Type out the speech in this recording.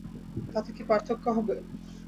তাতে কী পার্থক্য হবে?